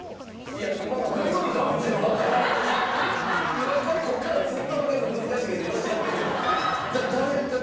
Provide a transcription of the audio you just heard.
今からここからすっとぼけるの難しいけどよしやってみよう。